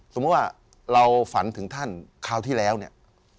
สมมุติว่าเราฝันถึงท่านคราวที่แล้วเนี่ย